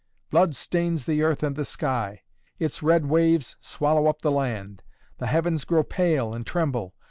Blood stains the earth and the sky. Its red waves swallow up the land! The heavens grow pale and tremble!